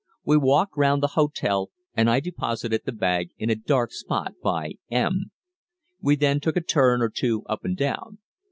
We walked round the hotel, and I deposited the bag in a dark spot by "M." We then took a turn or two up and down.